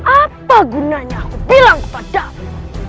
apa gunanya aku bilang kepadamu